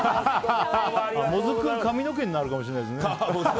もずくが髪の毛になるかもしれない。